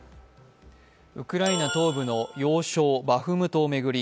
ウクライナ東部の要衝バフムトを巡り